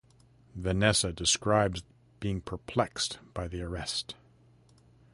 Vanessa describes being perplexed by the arrest.